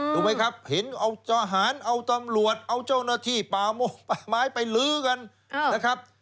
ถูกไหมครับเห็นเอาทหารเอาตำรวจเอาเจ้าหน้าที่ป่ามกป่าไม้ไปลื้อกันนะครับ